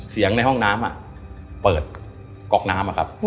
เสียงในห้องน้ำอ่ะเปิดก๊อกน้ำอ่ะครับ